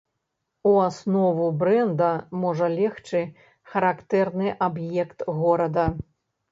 У аснову брэнда можа легчы характэрны аб'ект горада.